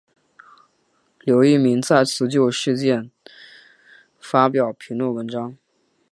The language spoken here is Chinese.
刘逸明再次就此事件发表评论文章。